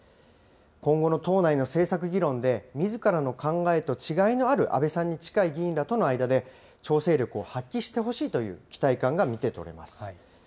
今後の党内の政策議論で、みずからの考えと違いのある安倍さんに近い議員らとの間で、調整力を発揮してほしいという期待感が見て取れます。